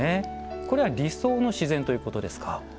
これは理想の自然ということですか。